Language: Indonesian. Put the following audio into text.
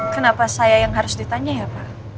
kenapa saya yang harus ditanya ya pak